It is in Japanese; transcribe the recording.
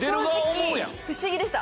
正直不思議でした。